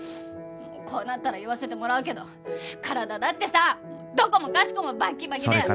もうこうなったら言わせてもらうけど体だってさどこもかしこもバッキバキで。